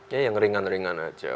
ya yang ringan ringan aja